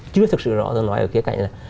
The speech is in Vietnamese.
chưa thực sự rõ tôi nói ở khía cạnh này